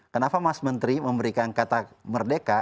kenapa mas menteri memberikan kata merdeka